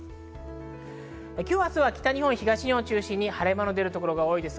今日明日は北日本、東日本を中心に晴れ間の出る所が多いです。